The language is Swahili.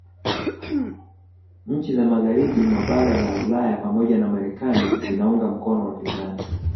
Nhi za magharibi mwa bara la Ulaya pamoja na Marekani zinaunga mkono wapinzani